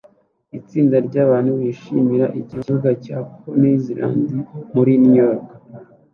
Itsinda ryabantu bishimira ikibuga cya Coney Island muri New York